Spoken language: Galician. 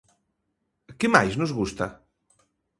Que máis nos gusta?